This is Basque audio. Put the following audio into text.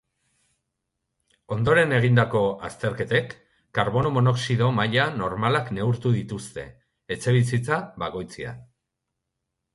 Ondoren egindako azterketek karbono monoxido maila normalak neurtu dituzte etxebizitza bakoitzean.